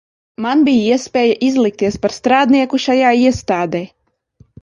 Man bija iespēja izlikties par strādnieku šajā iestādē.